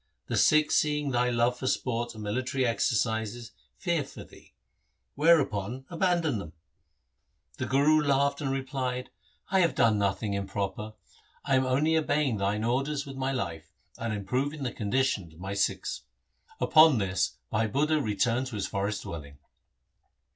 The Sikhs seeing thy love for sport and mili tary exercises fear for thee. Wherefore abandon them.' The Guru laughed and replied, ' I have done 1 War XXVI. 78 THE SIKH RELIGION nothing improper ; I am only obeying thine orders with my life, and improving the condition of my Sikhs.' Upon this Bhat Budha returned to his forest dwelling.